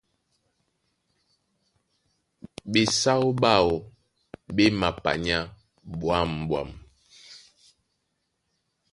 Ɓesáó ɓáō ɓé mapanyá ɓwǎm̀ɓwam.